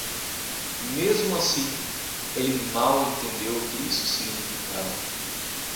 Mesmo assim, ele mal entendeu o que isso significava.